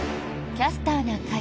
「キャスターな会」。